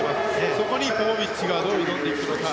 そこにポポビッチがどう挑んでいくのか。